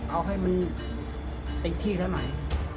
เอาให้มันติดที่สมัย